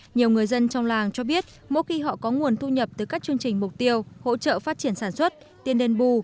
nhiều người dân trong làng cho biết mỗi khi họ có nguồn thu nhập từ các chương trình mục tiêu hỗ trợ phát triển sản xuất tiền đền bù